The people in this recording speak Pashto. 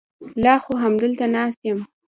لا خو همدلته ناست یم.